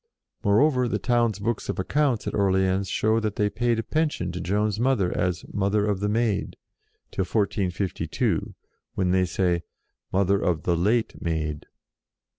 Moreover the town's books of accounts, at Orleans, show that they paid a pension to Joan's mother as "Mother of the Maid," till 1452, when they say " Mother of the late Maid."